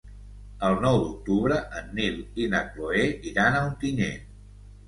El nou d'octubre en Nil i na Cloè iran a Ontinyent.